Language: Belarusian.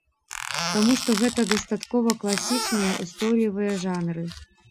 Таму што гэта дастаткова класічныя, устойлівыя жанры.